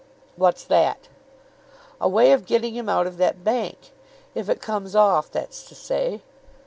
"What's that?" "A way of getting him out of that bank. If it comes off, that's to say."